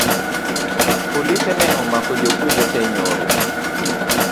Polise ne omako jokwoge tee nyoro